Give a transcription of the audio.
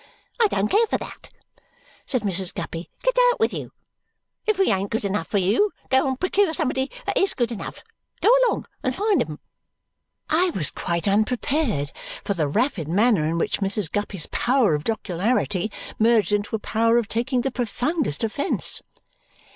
"I don't care for that," said Mrs. Guppy. "Get out with you. If we ain't good enough for you, go and procure somebody that is good enough. Go along and find 'em." I was quite unprepared for the rapid manner in which Mrs. Guppy's power of jocularity merged into a power of taking the profoundest offence.